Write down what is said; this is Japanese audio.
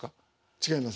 違います。